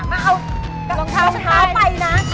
มาเอารองเท้าไปนะ